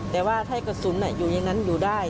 แต่ว่าถ้ากระสุนอยู่อย่างนั้นอยู่ได้